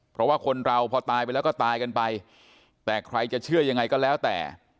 เพราะว่าคนเราพอตายไปแล้วก็ตายกันไปแต่ใครจะเชื่อยังไงก็แล้วแต่